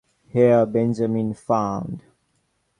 Here Benjamin found...